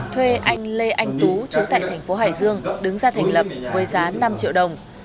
thuê anh lê anh tú trú tại thành phố hải dương đứng ra thành lập với giá năm triệu đồng